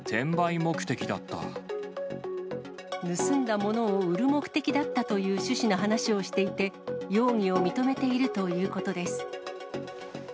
盗んだ物を売る目的だったという趣旨の話をしていて、容疑を認めているということです。